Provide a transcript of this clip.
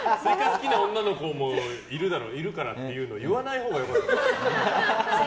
好きな女の子もいるからっていうの言わないほうが良かったですよ。